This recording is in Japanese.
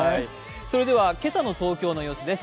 それでは今朝の東京の様子です。